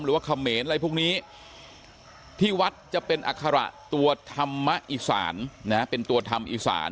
เขมรอะไรพวกนี้ที่วัดจะเป็นอัคระตัวธรรมอีสานเป็นตัวธรรมอีสาน